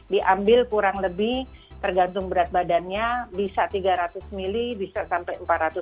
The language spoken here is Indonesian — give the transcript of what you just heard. diambil kurang lebih tergantung berat badannya bisa tiga ratus mili bisa sampai empat ratus